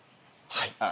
はい。